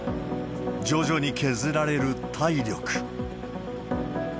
徐々に削られる体力。